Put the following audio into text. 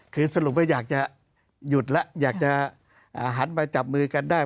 คือที่สรุปว่าอยากจะหันหลอกมาจับมือกันได้